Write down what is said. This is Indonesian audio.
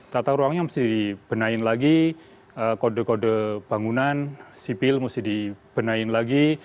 tata ruangnya mesti dibenahin lagi kode kode bangunan sipil mesti dibenahin lagi